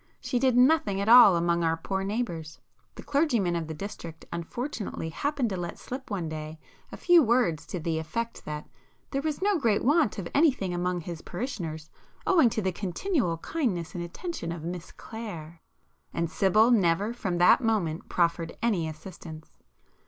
She did nothing at all among our poor neighbours;—the clergyman of the district unfortunately happened to let slip one day a few words to the effect that "there was no great want of anything among his parishioners, owing to the continual kindness and attention of Miss Clare,"—and Sibyl never from that moment proffered any assistance.